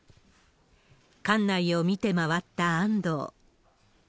館内を見て回った安藤。